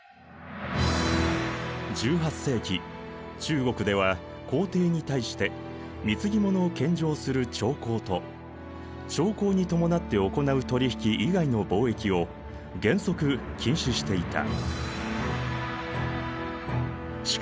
１８世紀中国では皇帝に対して貢ぎ物を献上する朝貢と朝貢に伴って行う取り引き以外の貿易を原則禁止していた。